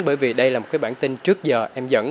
bởi vì đây là một cái bản tin trước giờ em dẫn